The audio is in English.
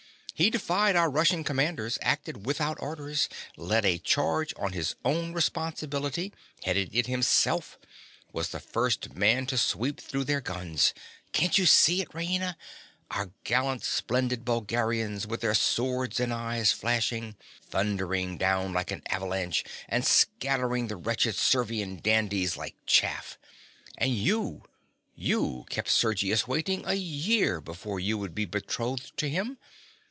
He defied our Russian commanders—acted without orders—led a charge on his own responsibility—headed it himself—was the first man to sweep through their guns. Can't you see it, Raina; our gallant splendid Bulgarians with their swords and eyes flashing, thundering down like an avalanche and scattering the wretched Servian dandies like chaff. And you—you kept Sergius waiting a year before you would be betrothed to him.